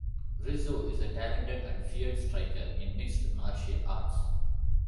Rizzo is a talented and feared striker in mixed martial arts.